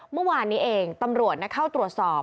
เมื่อวานนี้เองตำรวจเข้าตรวจสอบ